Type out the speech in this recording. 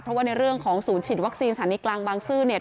เพราะว่าในเรื่องของศูนย์ฉีดวัคซีนสถานีกลางบางซื่อเนี่ย